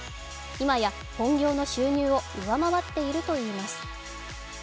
今や本業の収入を上回っているといいます。